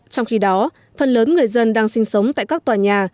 trong khi đó phần lớn người dân đang sinh sống tại các tòa nhà